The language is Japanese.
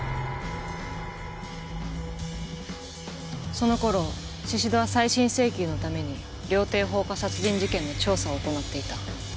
その頃宍戸は再審請求のために料亭放火殺人事件の調査を行っていた。